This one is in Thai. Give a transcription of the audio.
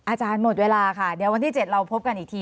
อาจารย์หมดเวลาค่ะเดี๋ยววันที่๗เราพบกันอีกที